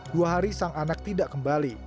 dua hari sang anak tidak kembali